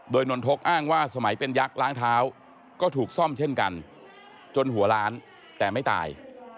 โดยนนทกอ้างว่าสมัยเป็นยักษ์ล้างเท้าก็ถูกซ่อมเช่นกันจนหัวล้านแต่ไม่ตาย